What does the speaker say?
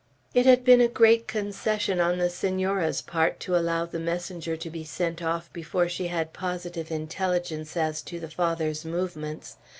It had been a great concession on the Senora's part to allow the messenger to be sent off before she had positive intelligence as to the Father's movements.